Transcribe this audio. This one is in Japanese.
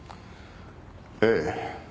ええ。